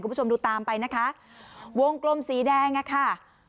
คุณผู้ชมดูตามไปนะคะวงกลมสีแดงอ่ะค่ะ